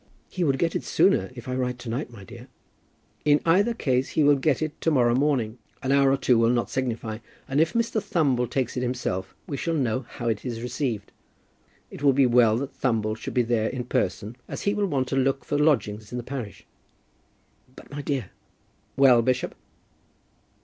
"He would get it sooner, if I write to night, my dear." "In either case he will get it to morrow morning. An hour or two will not signify, and if Mr. Thumble takes it himself we shall know how it is received. It will be well that Thumble should be there in person as he will want to look for lodgings in the parish." "But, my dear " "Well, bishop?"